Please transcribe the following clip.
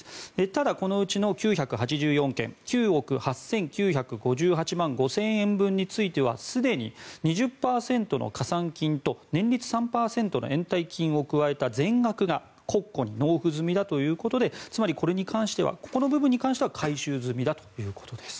ただ、このうちの９８４件９億８９５８万５０００円分のすでに２０％の加算金と年率３％の延滞金を加えた全額が国庫に納付済みだということでこれに関しては回収済みだということです。